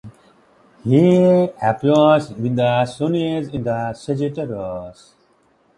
He appears when the Sun is in Sagittarius.